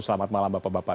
selamat malam bapak bapak